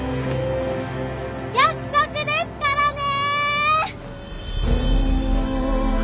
約束ですからね！